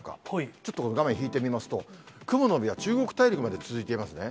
ちょっと画面引いてみますと、雲の帯は中国大陸まで続いていますね。